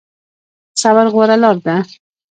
صبر غوره لاره ده